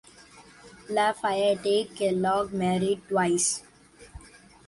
La Fayette Kellogg married twice.